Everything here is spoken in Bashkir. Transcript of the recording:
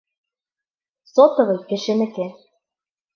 Сотовый кешенеке.